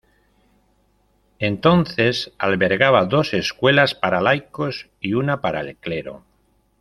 Entonces, albergaba dos escuelas para laicos y una para el clero.